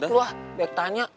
lu ah baik tanya